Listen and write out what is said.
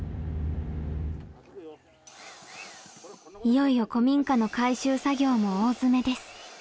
いよいよ古民家の改修作業も大詰めです。